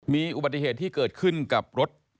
มีอุบัติเหตุที่เกิดขึ้นกับรถ